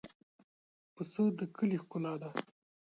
پسه د کلي ښکلا ده.